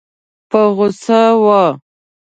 په غوسه وه.